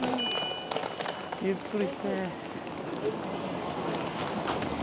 ゆっくりして。